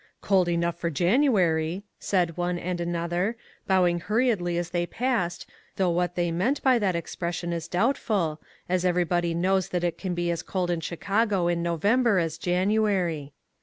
" Cold enough for January," said one and another, bowing hurriedly as they passed, though what they meant by that expression is doubt ful, as everybody knows that it can be as cold in Chicago in November as January.